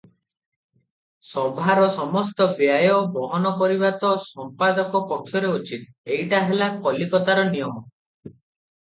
ସଭାର ସମସ୍ତ ବ୍ୟୟ ବହନ କରିବା ତ ସମ୍ପାଦକ ପକ୍ଷରେ ଉଚିତ, ଏଇଟା ହେଲା କଲିକତାର ନିୟମ ।